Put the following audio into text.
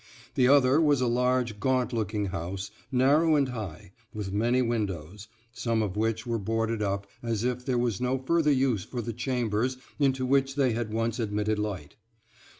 The other was a large gaunt looking house, narrow and high, with many windows, some of which were boarded up, as if there was no further use for the chambers into which they had once admitted light.